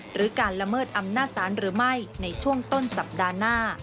หรือการละเมิดอำนาจศาลหรือไม่ในช่วงต้นสัปดาห์หน้า